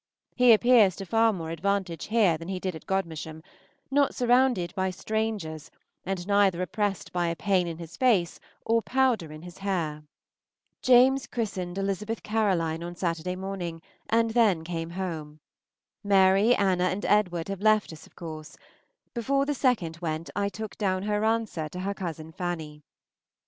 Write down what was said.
He appears to far more advantage here than he did at Godmersham, not surrounded by strangers and neither oppressed by a pain in his face or powder in his hair. James christened Elizabeth Caroline on Saturday morning, and then came home. Mary, Anna, and Edward have left us of course; before the second went I took down her answer to her cousin Fanny.